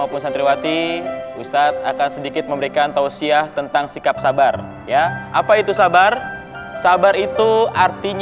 assalamualaikum warahmatullahi wabarakatuh